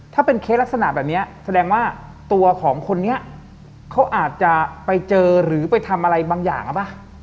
ถ้าเป็นเคสลักษณะแบบนี้แสดงว่าตัวของคนนี้เขาอาจจะไปเจอหรือไปทำอะไรบางอย่างหรือเปล่า